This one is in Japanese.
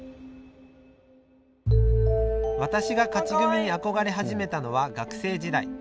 私が勝ち組に憧れ始めたのは学生時代。